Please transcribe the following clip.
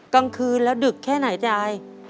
กลางคืนแล้วดึกแค่ไหนยาย